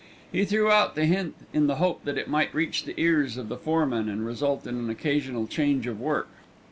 He threw out the hint in the hope that it might reach the ears of the foreman and result in an occasional change of work.